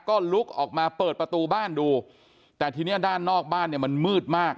ก็ลุกออกมาเปิดประตูบ้านดูแต่ทีนี้ด้านนอกบ้านเนี่ยมันมืดมาก